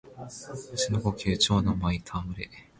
蟲の呼吸蝶ノ舞戯れ（ちょうのまいたわむれ）